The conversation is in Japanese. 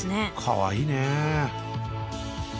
かわいいねえ。